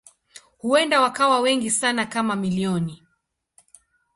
Huenda wakawa wengi sana kama milioni.